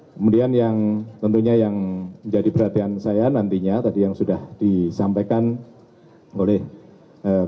kemudian yang tentunya yang menjadi perhatian saya nantinya tadi yang sudah disampaikan oleh pak